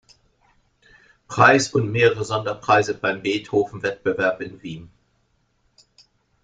Preis und mehrere Sonderpreise beim Beethoven-Wettbewerb in Wien.